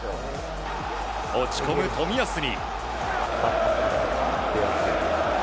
落ち込む冨安に。